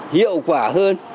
hiệu quả hơn